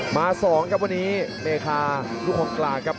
มา๒ครับวันนี้เมคาลูกของกลางครับ